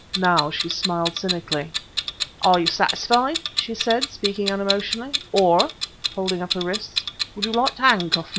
Now she smiled cynically. "Are you satisfied," she said, speaking unemotionally, "or," holding up her wrists, "would you like to handcuff me?"